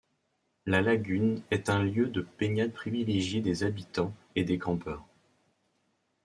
La lagune est un lieu de baignade privilégié des habitants et des campeurs.